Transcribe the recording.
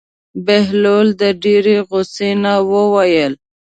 بهلول د ډېرې غوسې نه وویل.